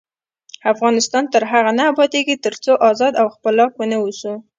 افغانستان تر هغو نه ابادیږي، ترڅو ازاد او خپلواک ونه اوسو.